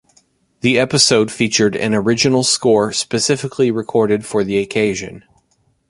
The episode featured an original score specifically recorded for the occasion.